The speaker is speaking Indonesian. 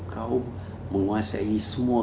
kaum menguasai semua